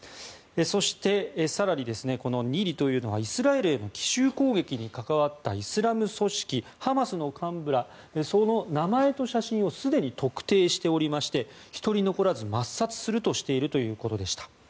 そして更に、ニリというのはイスラエルへの奇襲攻撃に関わったイスラム組織ハマスの幹部らの名前と写真をすでに特定しておりまして１人残らず抹殺するとしているということでした。